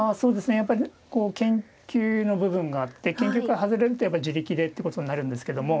やっぱり研究の部分があって研究から外れるとやっぱり自力でってことになるんですけども。